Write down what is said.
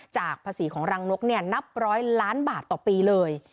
จากภาษีของรังนกนับร้อยล้านบาทต่อปีเลย